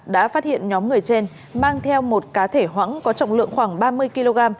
đã phát hiện nhóm người trên mang theo một cá thể hoãng có trọng lượng khoảng ba mươi kg